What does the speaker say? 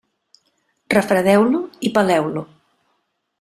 Refredeu-lo i peleu-lo.